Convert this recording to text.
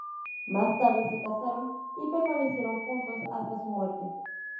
Más tarde se casaron y permanecieron juntos hasta su muerte.